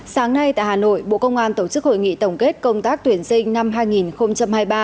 sáng nay tại hà nội bộ công an tổ chức hội nghị tổng kết công tác tuyển sinh năm hai nghìn hai mươi ba